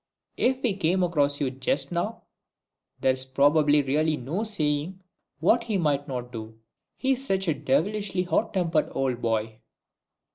If he came across you just now, there's really no saying what he mightn't do. He's such a devilishly hot tempered old boy!"